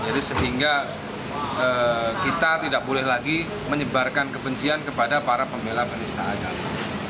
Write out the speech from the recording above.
jadi sehingga kita tidak boleh lagi menyebarkan kebencian kepada para pembela penista agama